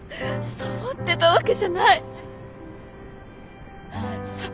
サボってたわけじゃない。